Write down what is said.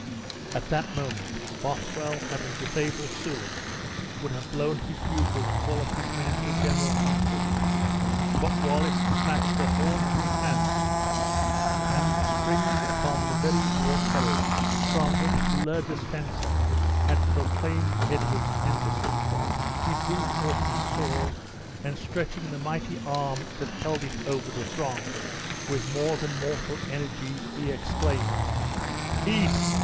At that moment Bothwell having disabled Soulis, would have blown his bugle to call up his men to a general conflict, but Wallace snatched the horn from his hand, and springing upon the very war carriage which Le de Spencer had proclaimed Edward's embassy, he drew forth his sword, and stretching the mighty arm that held it over the throng, with more than mortal energy he exclaimed, "Peace!